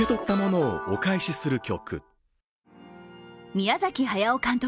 宮崎駿監督